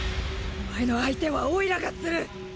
お前の相手はオイラがする！